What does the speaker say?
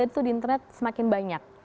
jadi itu di internet semakin banyak